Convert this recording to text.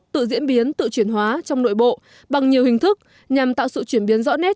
tự diễn biến tự chuyển hóa trong nội bộ bằng nhiều hình thức nhằm tạo sự chuyển biến rõ nét